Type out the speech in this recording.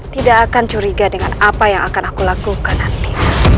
tidak akan curiga dengan apa yang akan aku lakukan nanti